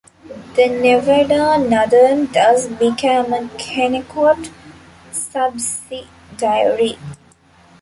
The Nevada Northern thus became a Kennecott subsidiary.